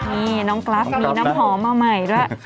นี่น้องกรัสก็มีน้ำหอมมาใหม่ด้วย